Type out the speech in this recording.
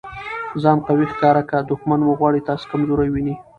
ځان قوي ښکاره که! دوښمن مو غواړي تاسي کمزوري وویني.